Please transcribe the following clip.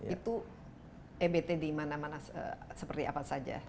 itu ebt di mana mana seperti apa saja